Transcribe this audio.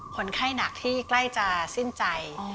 คนไข้หนักที่ใกล้จะสิ้นใจ